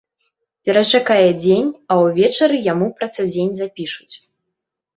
Перачакае дзень, а ўвечары яму працадзень запішуць.